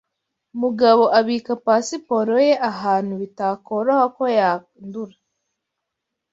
Mugabo abika pasiporo ye ahantu bitakoroha ko yandura.